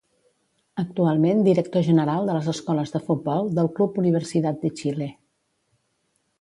Actualment director general de les escoles de futbol del club Universidad de Chile.